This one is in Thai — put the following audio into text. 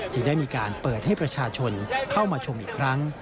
จึงได้มีการเปิดให้ประชาชนเข้ามาชมอีกครั้ง